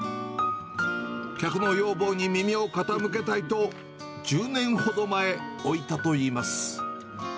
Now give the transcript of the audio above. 客の要望に耳を傾けたいと、１０年ほど前、置いたといいます。